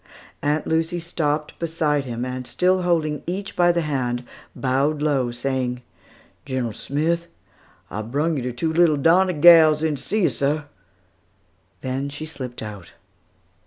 Aunt Lucy stopped beside him, and still holding each by the hand, bowed low, saying, "General Smith, I's brung der two little Donner gals in to see yo, sah"; then she slipped out.